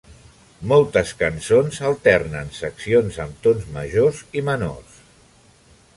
Moltes cançons alternen seccions amb tons majors i menors.